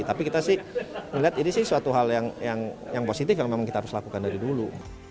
tapi kita sih melihat ini sih suatu hal yang positif yang memang kita harus lakukan dari dulu